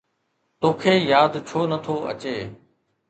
توکي ياد ڇو نٿو اچي؟